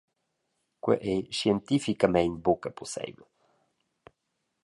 Quei ei scientificamein buca pusseivel.